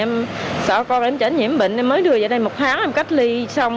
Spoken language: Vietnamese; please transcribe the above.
em sợ con em tránh nhiễm bệnh thì mới đưa về đây một tháng em cách ly xong